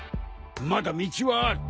まだ道はある。